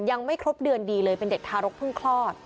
ยังไม่ครบเดือนดีเลยเป็นเด็กทารกเพิ่งคลอด